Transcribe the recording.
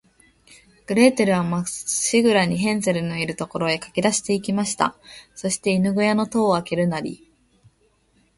グレーテルは、まっしぐらに、ヘンゼルのいる所へかけだして行きました。そして、犬ごやの戸をあけるなり、